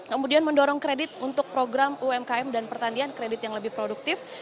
kemudian mendorong kredit untuk program umkm dan pertanian kredit yang lebih produktif